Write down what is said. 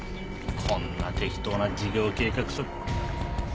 こんな適当な事業計画書で。